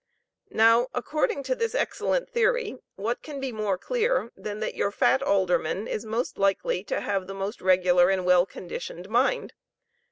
Now, according to this excellent theory, what can be more clear, than that your fat alderman is most likely to have the most regular and well conditioned mind.